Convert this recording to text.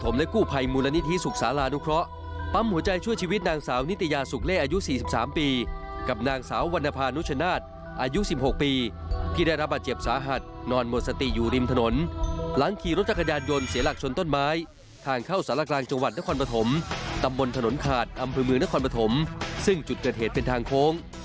อำบลถนนขาดอำพลเมืองนครปฐมซึ่งจุดเกิดเหตุเป็นทางโค้ง